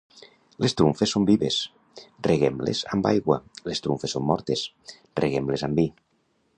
Les trumfes són vives, reguem-les amb aigua; les trumfes són mortes, reguem-les amb vi.